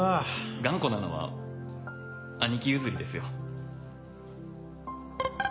頑固なのは兄貴譲りですよ。